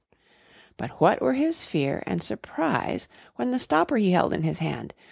_] But what were his fear and surprise When the stopper he held in his hand!